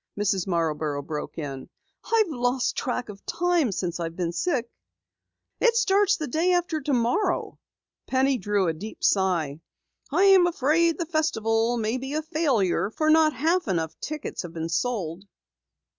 Mrs. Marborough broke in. "I've lost track of time since I've been sick." "It starts day after tomorrow." Penny drew a deep sigh. "I'm afraid the Festival may be a failure, for not half enough tickets have been sold."